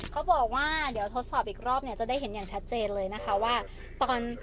กระดาษกระดาษก็เหมือนกัน